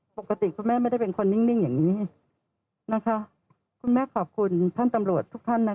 ปกติคุณแม่ไม่ได้เป็นคนนิ่งอย่างนี้นะคะคุณแม่ขอบคุณท่านตำรวจทุกท่านนะคะ